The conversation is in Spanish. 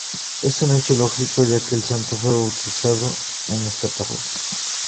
Es un hecho lógico, ya que el santo fue bautizado en esta parroquia.